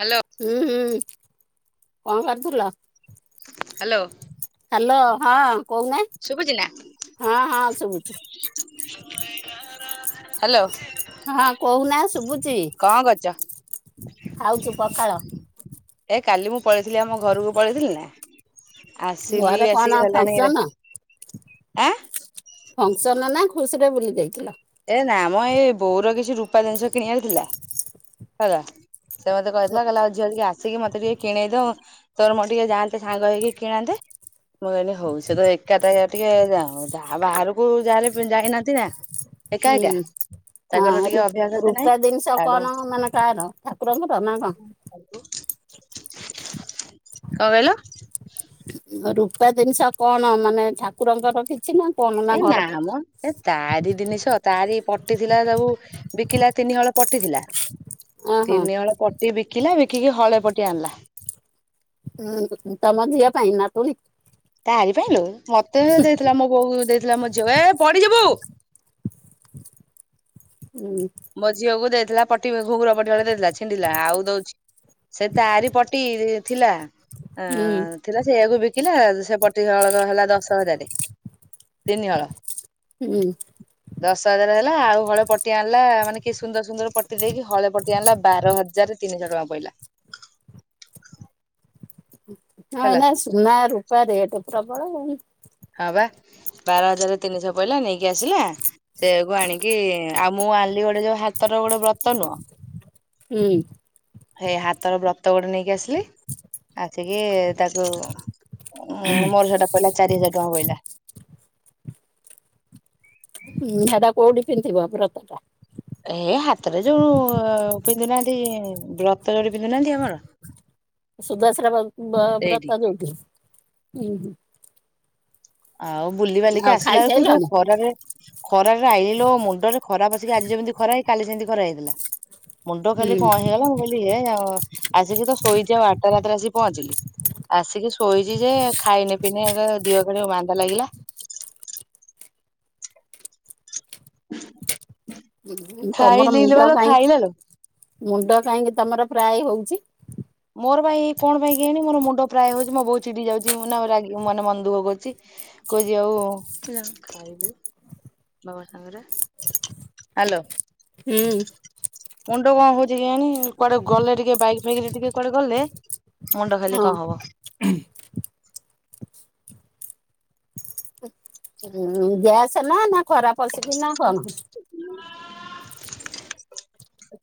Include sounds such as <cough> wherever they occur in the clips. Hello ହୁଁ ହୁଁ କଣ କରିଥିଲ? ହ୍ୟାଲୋ। ହ୍ୟାଲୋ ହଁ। କହୁନା ଶୁଭୁଛି ନା ହଁ ହଁ ଶୁଭୁଛି। ହ୍ୟାଲୋ ହଁ କହୁନା ଶୁଭୁଛି। କଣ କରୁଛ? ଖାଉଛୁ ପଖାଳ ଏ କାଲି ମୁଁ ପଳେଇଥିଲି ଆମ ଘରକୁ ପଳେଇଥିଲି ନା। ଆସିଲି ଘରେ କଣ ଆସିକି ହେଲାଣି, ଫଙ୍କସନ? ଆଁ ଫଙ୍କସନ ନା ଖୁସିରେ ବୁଲି ଯାଇଥିଲ? ଏ ନା ଆମ ଏଇ ବୋଉର କିଛି ରୂପା ଜିନିଷ କିଣିବାର ଥିଲା ହେଲା। ସେ ମତେ କହିିଥିଲା କହିଲ ଆଉ ଝିଅ ଟିକେ ଆସ ସିଏ ମତେ ଟିକେ କିଣେଇ ଦବ ତୋର ମୋର ଟିକେ ଯାଆନ୍ତେ ସାଙ୍ଗ ହେଇକି କିଣନ୍ତେ। ମୁଁ କହିଲି ହଉ ତ ଏକା ଟିକେ ଯ ଯାହା ବାହାରକୁ ଯାହାଲେ ଯାଇନାହାନ୍ତି ନା। ଏକା ହୁଁ ଏକା। ତାଙ୍କର ହଁ ଟିକେ ଅଭ୍ୟାସ ଏତେ ନାହିଁ ରୂପା ଜିନିଷ ତାଠୁ କଣ ମାନେ କାହାର ଠାକୁରଙ୍କର ନା କଣ? କଣ କହିଲ? ରୂପା ଜିନିଷ କଣ ମାନେ ଠାକୁରଙ୍କର କିଛି ନା କଣ ଏ ନା ଘର ପାଇଁ? ଆମ ଏ ତାରି ଜିନିଷ ତାରି ପଟି ଥିଲା ସବୁ ବିକିଲା ତିନି ହଳ ପଟିଥିଲା ଓହୋ ତିନି ହଳ ପଟି ବିକିଲା ବିକିକି ହଳ ପଟି କିଏ ଆଣିଲା? ହୁଁ ତମ ଝିିଅ ପାଇଁ ନାତୁଣୀ। ତାରି ପାଇଁ ଲୋ। ମତେ ଦେଇଥିଲା ମୋ ବୋଉ ଦେଇଥିଲା ମୋ ଝିଅ ଏ ପଡିଯିବୁ। ହୁଁ ମୋ ଝିଅ କୁ ଦେଇ ଥି ଲା ପଟି ଘୁଘୁର ପଟି ହଳେ ଦେଇଥିଲା ଚିଣ୍ଡିଲା ଆଉ ଦଉଛି ସେ ତାରି ପ ଟି ଥିଲା ହୁଁ ଥିଲା ଆ ସେଇୟଆକୁ ବିକିଲା। ସେ ପଟି ହଳ ହେଲା ଦଶ ହଜାର ତିନି ହଳ। ହୁଁ ଦଶ ହଜାର ହେ ଆଉ ହଳ ପଟିଆ ଆଣିଲା ମାନେ କି ସୁନ୍ଦର ସୁନ୍ଦର ପଟି ଦେଇକି ହଳ ପଟିଆ ଆଣିଲା ବାର ହଜାରରେ ତିନିଶହ ଟଙ୍କା ପଡ଼ିଲା ହେଲା। ହଁ ହେଲା ଏନା ସୁନା ରୂପା ରେଟ ପ୍ରବଳ। ହଁ ବା ବାର ହଜାର ତିନିଶହ ପଇଲା ନେଇକି ଆସିଲା। ସେୟାକୁ ଆଣିକି ଆଉ ମୁଁ ଆଣିଲି ଗୋଟେ ଯୋଉ ହାତର ଗୋଟେ ବ୍ରତ ନୁହଁ। ହୁଁ। ସେଇ ହାତର ବ୍ରତ ଗୋଟେ ନେଇକି ଆସିଲି ଆସିକି ତାକୁ ଉଁ ମୋର ସେଇଟା ପଇଲା ଚାରି ହଜାର ଟଙ୍କା ପଇଲା। ହୁଁ ହେଇଟା କୋଉଠି ପିନ୍ଧିବ ବ୍ରତ ଟା? ଏ ହାତରେ ଯୋଉ ପିନ୍ଧୁନାହାନ୍ତି ବ୍ରତ ଯୋଡି ପିନ୍ଧୁନାହାନ୍ତି ଆମର। ସୁଦସ୍ରା ଵ୍ର ବ ସେଇଠି ବ୍ରତ ଯୋଉଟି ହୁଁ ହୁଁ। ଆଉ ବୁଲିିବାଲିକି ଆଉ ଆସିଲା ବେଳକୁ ଯୋଉ ଖାଇସାଇଲଣି? ଖରା ରେ। ଖରାରେ ଆଇଲୋ ମୁଣ୍ଡରେ ଖରାପ ପସିକି ଆଜି ଯେମିତି ଖରା ହେଇି କାଲି ସେମିତି ଖରା ହେଇଥିଲା। ମୁଣ୍ଡ ଖାଲି କଣ ହେଇଗଲା ମୁଁ କହିଲି ହେ ଆଉ ଆସିକି ତ ଶୋଇଛି ଆଉ ଆଠଟା ରାତିରେ ଆସି ପହଞ୍ଚିଲି। ଆସିକି ଶୋଇଛି ଯେ ଖାଇନି ପିଇନି ଏ ଦିଅ <unintelligible> ବାନ୍ତି। ଭଲ ଲାଗିଲା। ହୁଁ ତମର ଖାଇ ମୁଣ୍ଡ <unintelligible> କାହିଁ ଖାଇଲା ଲୋ। ମୁଣ୍ଡ କାହିଁକି ତମର ପ୍ରାଏ ହଉଛି। ମୋର ବା ଏଇଁ କଣ ପାଇଁ କେଜାଣି ମୋର ମୁଣ୍ଡ ପ୍ରାୟ ହଉଛି ମୋ ବହୁତ ଚିଡି ଯାଉଛି ମୁଁ ନା ମାନେ ମନ ଦୁଃଖ କରୁଛି। କହୁଛି ଆଉ ହ୍ୟାଲୋ। ହୁଁ। ମୁଣ୍ଡ କଣ ହଉଛି କେଜାଣି କୁଆଡେ ଗଲେ ଟିକେ ବାଇକ୍ ଫାଇକ୍ ଟିକେ କୁଆଡେ ଗଲେ ମୁଣ୍ଡ ଖାଲି ହଁ କଣ ହବ? ଉଁ ଗ୍ୟାସ ନା ନା ଖରା ପଶିକି ନା କଣ?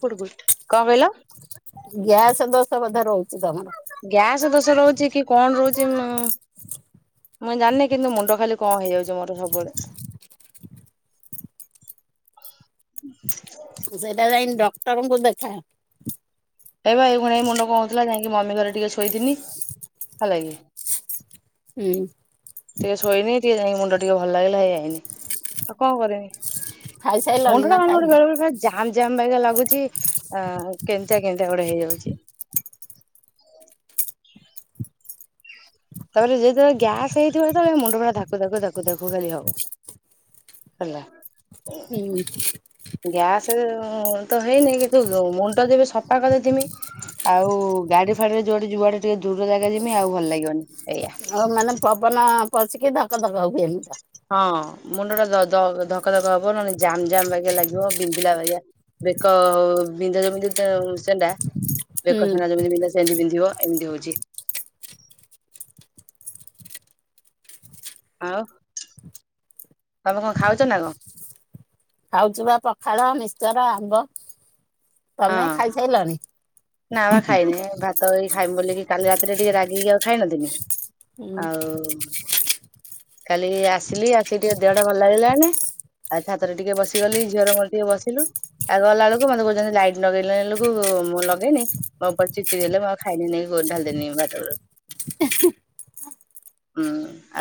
କଣ କହିଲ? ଗ୍ୟାସ ଦୋଷ ବୋଧେ ରହୁଛି ତମର? <unintelligible> ରହୁଛି କି କଣ ରହୁଛି ମୁଁ ମୁଇଁ ଜାଣିନି କିନ୍ତୁ ମୁଣ୍ଡ ଖାଲି କଣ ହେଇଯାଉଛି ମୋର ସବୁବେଳେ। ହଁ ଆମଙ୍କୁ ଦେଖା। ଏ ବା ଏଉକ୍ଷଣି ଏଇ ମୁଣ୍ଡ କଣ ହଉଥିଲା ଯାଇକି ମମି ଘରେ ଟିକେ ଶୋଇଥିନି ହେଲାକି। ହୁଁ ଟିକେ ଶୋଇନି ଟିକେ ଯାଇ ମୁ ମୁଣ୍ଡ ଟିକେ ଭଲ ଲାଗିଲା ହେଇ ଆଇନି। ଆଉ କଣ କରମି? ଖାଇସାଇଲଣି ମୁଣ୍ଡ ଟା ନା ମାନେ ଖାଇନ? ମୋତେ ବେଳେ ବେଳେ ଜାମ୍ ଜାମ୍ ବାଗିଆ ଲାଗୁଚି। ଆ, କେମିତିଆ କେମତିଆ ଗୋଟେ ହେଇଯାଉଚି। ତାପରେ ଯେତେବେଳେ ଗ୍ୟାସ୍ ହେଇଥିବ ସେତେବେଳେ ମୁଣ୍ଡ ପୁରା ଧାକୁ ଧାକୁ ଧାକୁ ଧାକୁ ଖାଲି ହବ। ହେଲା। ହୁଁ। ଗ୍ୟାସ ତ ହେଇନି କିନ୍ତୁ ମୁଣ୍ଡ ଯେବେ ସପା କରିଥିମି ଆଉ ଗ୍ୟା ଗାଡି ଫାଡିରେ ଯୁଆଡେ ଯିବୁ ଆଡେ ଟିକେ ଦୂର ଜାଗ ଯିମି ଆଉ ଭଲ ଲାଗିବନି। ଏ ଆଉ ମାନେ ପବନ ପଶିକି ଧକ ଧକ ହୁଏ ମୁଣ୍ଡ। ହଁ ମୁଣ୍ଡ ଟା ଦ-ଦ-ଧକ ଧକ ହବ ନହନେ ଜାମ ଜାମ ବାଗିଆ ଲାଗିବ। ବିନ୍ଧିଲା ବାଗିଆ ବେକ ବିନ୍ଧା ଯେମିତି ତ ସେଣ୍ଡା ହୁଁ ବେକ ସଣ୍ଡା ଯେମିତି ବିନ୍ଧେ। ସେମିତି ପିନ୍ଧିବ, ଏମିତି ହଉଛି। ଆଉ ତୋମେ କଣ ଖାଉଚ ନା କଣ? ଖାଉଚୁ ବା ପଖାଳ ମିସ୍ଚର ଆମ୍ବ। ହଁ ତୋମେ ଖାଇସାଇଲଣି? ନା ବା ଖାଇନି। ଭାତ ଏଇ ଖାଇମି ବୋଲିକି, କାଲି ରାତିରେ ଟିକେ ରାଗିକି ଆଉ ଖାଇନଥିନି। ହୁଁ। କାଲି ଆସିଲି ଆସିକି ଟିକେ ଦେହଟା ଭଲ ଲାଗିଲାନି। ଆଉ ଛାତରେ ଟିକେ ବସିଗଲି। ଝିଅର ମୋର ଟିକେ ବସିଲୁ। ଆ ଗଲା ବେଳକୁ ମୋତେ କହୁଚନ୍ତି ଲାଇଟ୍ ଲଗେଇଲେ ଏଲକୁ ମୁଁ ଲ ଦେଇନି ମୋ ଉପରେ ଚିଡ ଚିଡ ହେଲେ ମୁଁ ଖାଇଲିନି ଗୋ ଢାଳିଦେନି ଭାତଗୁର। <inaudible> ହୁଁ,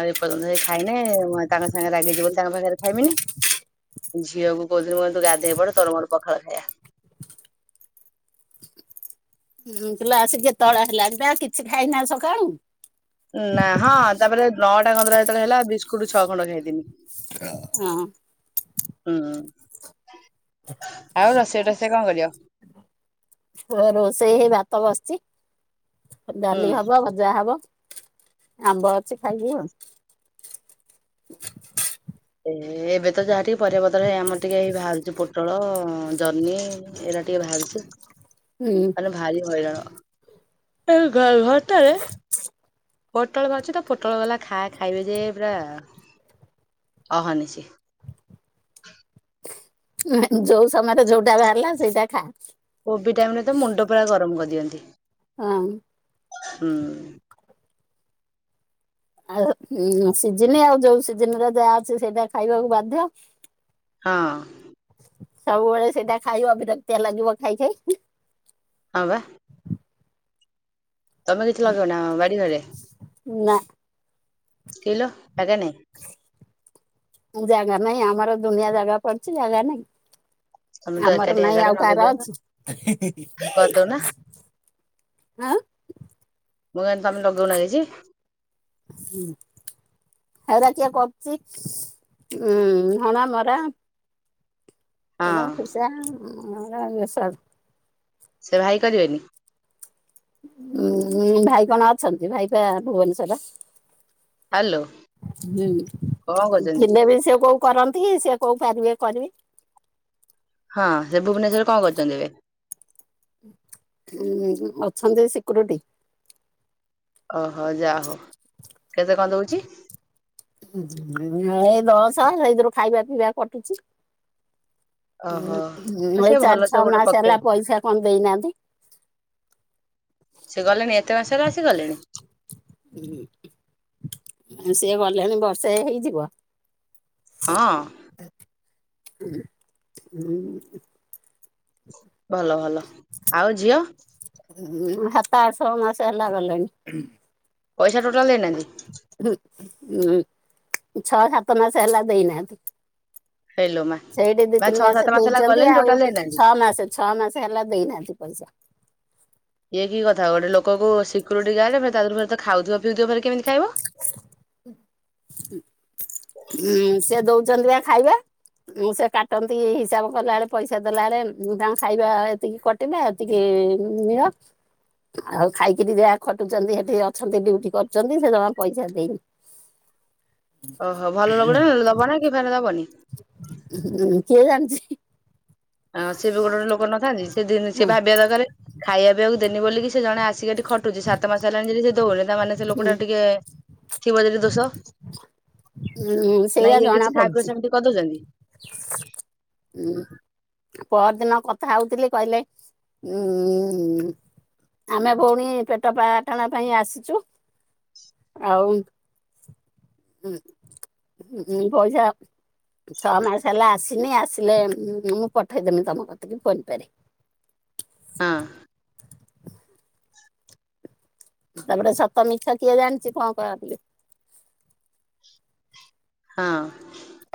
ଆଉ ଏପର୍ଯ୍ୟନ୍ତ ସେ ଖାଇନି ମୁଁ ତାଙ୍କ ସାଙ୍ଗରେ ରାଗିଚି ବୋଲି ତାଙ୍କ ପାଖରେ ଖାଇମିନି। ଝିଅକୁ କହୁଥୁନି ମୁଁ ତୁ ଗାଧେଇ ପଡ ତୋର ମୋର ପଖାଳ ଖାଇବା। ହୁଁ, କିଲୋ ଆସିକ ଏତୋଳ ହେଲାଣି ପା କିଛି ଖାଇନା ସକାଳୁ? ନା, ହଁ ତାପରେ ନଅଟା କନ୍ତୁର ଯେତେବେଳେ ହେଲା ବିସ୍କୁଟୁ ଛଅ ଖଣ୍ଡ ଖାଇଥିନି। ହଁ। ହୁଁ, ଆଉ ରୋଷେଇ ରୋଷେଇ କଣ କରିବ? ମୋ ରୋଷେଇ ହେଇ ଭାତ ବସିଚି। ହୁଁ। ଡାଲି ହବ, ଭଜା ହବ। ଆମ୍ବ ଅଛି ଖାଇବୁ ଆ। ଏ ଏବେ ତ ଯାହା ଟିକେ ପରିବାପତ୍ର ହେ ଆମର ଟିକିଇ ହେଇ ବାହାରୁଚି ପୋଟଳ୍ ଜହ୍ନି ଏଇରା ଟିକେ ଭାରୁଚୁ। ହୁଁ ମାନେ ଭାରି ହଇରାଣ। ଏଇ ଘ ଘର ଟାରେ ପୋଟଳ ଭାରୁଚି ତ ପୋଟଳ ବାଲା ଖା ଖାଇବେ ଯେ ପୁରା ଅହନିଶି। ଯୋଉ ସମୟରେ ଯୋଉଟା ବାହାରିଲା ସେଇଟା ଖା। କୋବି ଟାଇମରେ ତ ମୁଣ୍ଡ ପୁରା ଗରମ କରିଦିଅନ୍ତି ହଁ। ହୁଁ। ଆଉ ଉଁ ସିଜିନି ଆଉ ଯୋଉ ସିଜିନରେ ଯାହା ଅଛି ସେଇଟା ଖାଇବାକୁ ବାଧ୍ୟ। ହଁ। ସବୁବେଳେ ସେଟା ଖାଇବ ବିରକତିଆ ଲାଗିବ ଖାଇ ଖାଇ। ହଁ ବା। ତୋମେ କିଛି ଲଗେଇ ନା ବାଡି ଘରେ? ନା। କିଲୋ ଜାଗା ନାଇଁ ଜାଗା ନାହିଁ, ଆମର ଦୁନିଆ ଜାଗା ପଡିଚି ଜାଗା ତମେ ନାହିଁ। ତ ଆମର ଏକାଟିଆ ନାଇଁ ଏଗାଡେ ଆଉ ଲଗେଇ କାହାର ଦିଅନ୍ତ। ଅଛି। କଦଉନା ଆଁ ମୁଁ କା ତମେ ଲଗଉନାଇଚି। ହୁଁ। ହେରା କିଏ କରୁଚି ଉଁ ହଣା ମରା ହଁ। <unintelligible> ସେ ଭାଇ କରିବେନି। ଭାଇ କଣ ଅଛନ୍ତି ଭାଇ ପା ହ୍ୟାଲୋ ଭୁବନେଶ୍ଵରରେ। କଣ କରୁଛନ୍ତି? ଥିଲେ ବି ସେ କୋଉ କରନ୍ତି। ସି କୋଉ ପାରିବେ କରିବେ? ହଁ ସେ ଭୁବନେଶ୍ଵରରେ କଣ କରୁଛନ୍ତି ଏବେ? ହୁଁ ଅଛନ୍ତି ସିକୁରୁଟି। ଓହୋ ଯାହଉ କେତେ କଣ ଦଉଚି? ଏଇ ଦଶ ସେଇଥିରୁ ଖାଇବା ପିଇବା କଟୁଚି। ଓହୋ ଆ ଏଇ ସେ ଭଲ ଚାରି ସେ ଛଅ ଗୋଟେ ମାସ ହେଲା ପକେଇଲେ ପଇସା କଣ ଦେଇନାହାନ୍ତି। ସେ ଗଲେଣି ଏତେ ମାସରେ ଆସିଗଲେଣି। ହୁଁ ସିଏ ଗଲେଣି ବର୍ଷା ହେଇଯିବ। ହଁ। ହୁଁ। ଭଲ ଭଲ ଆଉ ଝିଅ ହୁଁ ହାତ ଆ ଛଅ ମାସ ହେଲା ଗଲେଣିି। ପଇସା ଟୋଟାଲ ଦେଇନାହାନ୍ତି। ହୁଁ ଛଅ ସାତ ମାସ ହେଲା ଦେଇନାହାନ୍ତି। ହେଇଲୋ ମା ସେଇଠି ଦି ମାନେ ତିନି ଛଅ ସାତ ମାସ ହେଲା ଦେଇଛନ୍ତି ଗଲେଣି ଆଉ ଟୋଟାଲ ଦେଇନାହାନ୍ତି ଛଅ ମାସ ଛଅ ମାସ ହେଲା ଦେଇନାହାନ୍ତି ପଇସା। ଇଏ କି କଥା ଗୋଟେ ଲୋକ ସିକ୍ୟରିଟି ଗାର୍ଡରେ ତାରୁ ଫ ଖାଉଥିବା ପିଉଥିବ ଫେରେ କେମିତି? ଖାଇବ ଉଁ ସେ ଦଉଛନ୍ତି ବା ଖାଇବା। ମୁଁ ସେ କାଟନ୍ତି ହିସାବ କଲା ବଳେ ପଇସା ଦେଲା ବେଳେ ତାଙ୍କୁ ଖାଇବା ଏତିକି କଟିଲେ ଏତିକି ଆ ଆଉ ଖାଇକିରି ଯାହା ଖଟୁଛନ୍ତି ସେଠି ଅଛନ୍ତି ଡଉଟି କରୁଛନ୍ତି ସେ ଜ ପଇସା ଦେଇନି। ଓହୋ ଭଲ ଲୋକଟା ଦବ ନା କି ଫେରେ ଦବନି? ଉଁ କିଏ ଜାଣିଚି? ହଁ ସିଏ ବି ଗୋଟେ ଲୋକ ନଥାନ୍ତି ସେିନ ସେି ହଁ ଭାବିବା ଦରକାର ଖାଇବା ପିବାକୁ ଦେବେନି ବୋଲିକି ସେ ଜଣ ଆସିକି ଏଠି ଖଟୁଛି ସାତ ମାସ ହେଲାଣି ଯଦି ସେ ଦବୁ ପିଲା ମାନେ ସେ ଉଁ, ଲୋକଟା ଟିକେ ଥିବ ଯଦି ଦୋଷ। ଉଁ, ସେଇଆ ନାଇଁ ଇଏ ଜଣା କିଛି ଖାଇବା ପଡୁଛି। ପିଇ ସେମିତି କରିଦଉଚନ୍ତି। ହୁଁ। ପରଦିନ କଥା ହଉଥିଲି କହିଲେ ଉଁ ଆମେ ଭଉଣୀ ପେଟ ପାଟଣା ପାଇଁ ଆସିଛୁ ଆଉ ହୁଁ ହ ପଇସା ଛଅ ମାସ ହେଲା ଆସିନି ଆସିଲେ ମୁଁ ପଠେଇଦମି ତମ କତିକି ଫୋନପେରେ। ହଁ। ତାପରଟା ସତ ମିଛ କିଏ ଜାଣିଚି କଣ କରି ହଁ।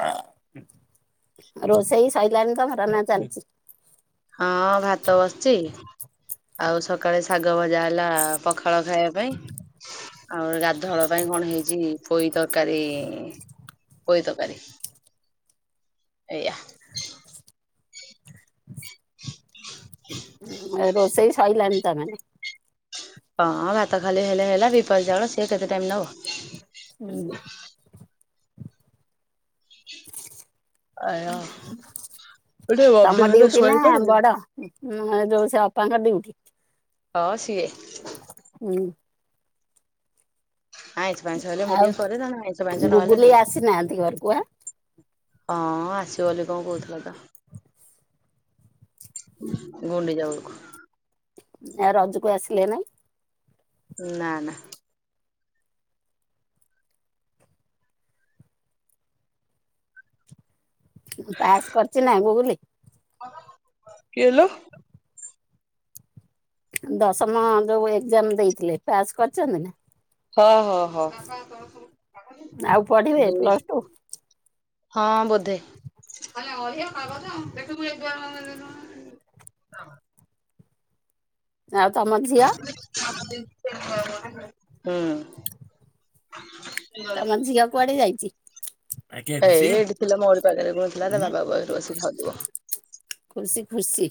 ଆ ରୋଷେଇ ସରିଲାଣି ତମର ନା ଚାଲିଚି। ହଁ ଭାତ ବସଚି। ଆଉ ସକାଳେ ଶାଗ ଭଜା ହେଲା ପଖାଳ ଖାଇବା ପାଇଁ। ଆଉ ଗାଧୁଆଳ ପାଇଁ କଣ ହେଇଛି ପୋଇ ତରକାରୀ ପୋଇତକାରୀ। ଏଇଆ। ରୋଷେଇ ସଇଲାଣିି ତାମାନେ। ହଁ ଭାତ ଖାଲି ହେଲେ ହେଲା ବିପା ଯଳ ସିଏ କେତେ ଟାଇମ ନବ। ହୁଁ। ଗୋଟେ <inaudible> ତମ ଅଭ୍ୟାସ ଡିୟୁଟି ନା ଶୋଇପଡେ ବଡ ଯୋଉ ସେ ଅପାଙ୍କ ଡିୟୁଟି? ହଁ ସିଏ ହୁଁ। ଆଇଁଷ ପାଁସ ହେଲେ ମୁଁ ଆଉ ଟିକେ କରେ ନହେଲେ କଆଇଁଷ ପାଁସ ନହେଲେ ଗୁଗୁଲି ନାଇଁ। ଆସିନାହାନ୍ତି ଘରକୁ <inaudible> ହଁ ଆସିବ ବୋଲି କଣ କହୁଥିଲା ତ ଗୁଣ୍ଡିଚା ବେଳକୁ। ଆ ରଜକୁ ଆସିଲେ ନାଇଁ? ନା ନା। ପାସ୍ କରିଛି ନାଇଁ ଗୁଗୁଲି? <inaudible> କିଏ ଲୋ? ଦଶମ ଯୋଉ ଏକ୍ଜାମ ଦେଇଥିଲେ ପାସ୍ କରିଛନ୍ତି ନା? ହ ହ ହ ଆଉ ପଢିବେ ଦୁଇ ପ୍ଲସ ଟୁ ହଁ ବୋଧେ। ହ, ଆଉ ତମ ଝିଅ ହୁଁ, ତ ମ ଝିଅ କୁଆଡେ ଯାଇଚି। ଏଇ ଏଇଠି ଥିଲା ମୋରି ପାଖରେ ବୁଲୁଥିଲା ତା ବାବାଙ୍କ ପାଖରେ ବସିକି ଖାଉଥିବ। ଖୁସି ଖୁସି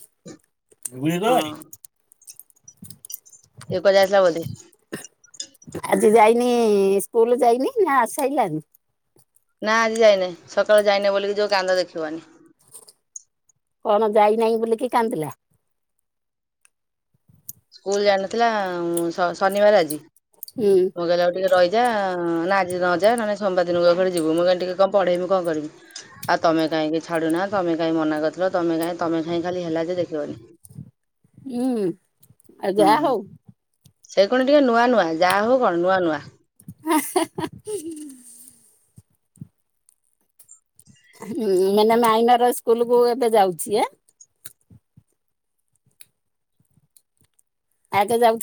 ସୁବୁଚିତ ବାରି ଏକ ଯାଇଥିଲା ବୋଧେ ସେ ଯାଇନି ସ୍କୁଲ ଯାଇନି ନା ଆସିସାଇଲାନି। ନା ଆଜି ଯାଇନାଇଁ ସକାଳୁ ଯାଇନି ବୋଲିକି ଯୋଉ କାନ୍ଦ ଦେଖିବନି। କଣ ଯାଇନାଇଁ ବୋଲିକି କାନ୍ଦିଲା। ସ୍କୁଲ ଜାିଇନଥିଲା ଶନିବାର ଆଜି। ହୁଁ ମୁଁ କହିଲ ଆଉ ଟିକେ ରହି ଯା ନା ଆଜି ନ ଯା ନହେ ସୋମବାର ଦିନକୁ ଏପାଳି ଯିବୁ ମୁଁ କହିଲି ଟିକେ କଣ ପଢେଇମି କଣ କରିବି ଆଉ ତମେ କାହିଁକି ଛାଡୁ ନା ତମେ କାହିଁ ମନା କରିଥିଲ ତମେ କାଇହିଁ ତମେ କାଁ ଖା ହେଲା ଯେ ଦେଖିବନି। ହୁଁ ଆଉ ଯାହା ହୁଁ। ହଉ। ସେ କଣ ଟିକେ ନୂଆ ନୂଆ ଯାହା ହଉ କଣ ନୂଆ ନୂଆ। ଆ ହା ହା ହା ଉଁ ଉଁ ହଁ ମାନେ ମାଇନର ସ୍କୁଲ କୁ ଏବେ ଯାଉଛି ଆଁ ଆଗେ ଯାଉଥେ